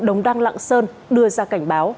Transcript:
đồng đăng lạng sơn đưa ra cảnh báo